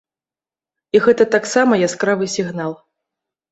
І гэта таксама яскравы сігнал.